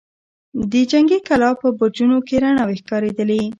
د جنګي کلا په برجونو کې رڼاوې ښکارېدلې.